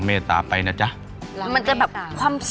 แม่บ้านพระจันทร์บ้าน